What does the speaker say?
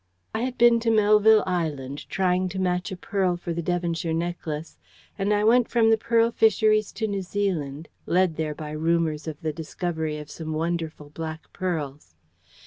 I had been to Melville Island trying to match a pearl for the Devonshire necklace, and I went from the pearl fisheries to New Zealand, led there by rumours of the discovery of some wonderful black pearls.